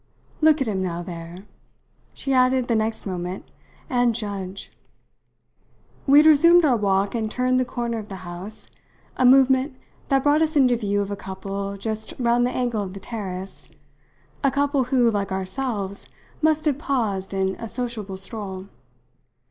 Look at him now there," she added the next moment, "and judge." We had resumed our walk and turned the corner of the house, a movement that brought us into view of a couple just round the angle of the terrace, a couple who, like ourselves, must have paused in a sociable stroll.